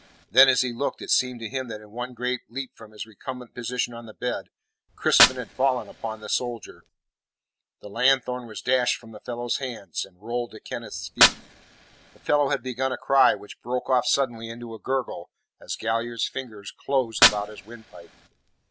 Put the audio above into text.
Then, as he looked, it seemed to him that in one great leap from his recumbent position on the bed, Crispin had fallen upon the soldier. The lanthorn was dashed from the fellow's hand, and rolled to Kenneth's feet. The fellow had begun' a cry, which broke off suddenly into a gurgle as Galliard's fingers closed about his windpipe.